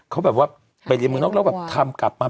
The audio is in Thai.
เขาแบบว่าไปเรียนเมืองนอกแล้วแบบทำกลับมา